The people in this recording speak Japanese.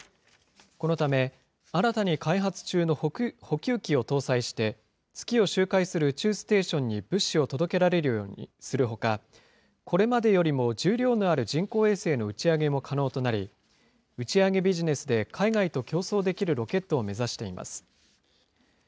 このため、新たに開発中の補給機を搭載して、月を周回する宇宙ステーションに物資を届けられるようにするほか、これまでよりも重量のある人工衛星の打ち上げも可能となり、打ち上げビジネスで海外と競争できるロケットを目指しています。